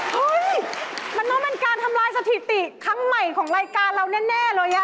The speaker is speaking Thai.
เฮ้ยมันต้องเป็นการทำลายสถิติครั้งใหม่ของรายการเราแน่เลย